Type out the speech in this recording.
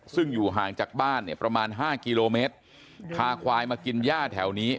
ซึ่งอยู่ห่างจากบ้านเนี่ยประมาณห้ากิโลเมตรพาควายมากินย่าแถวนี้